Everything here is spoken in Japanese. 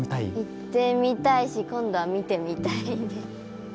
行ってみたいし今度は見てみたい。